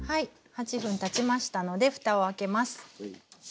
８分たちましたのでふたを開けます。